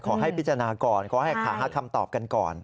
ขอให้พิจารณาก่อนขอให้หาคำตอบกันก่อน